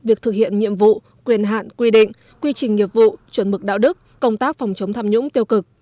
việc thực hiện nhiệm vụ quyền hạn quy định quy trình nghiệp vụ chuẩn mực đạo đức công tác phòng chống tham nhũng tiêu cực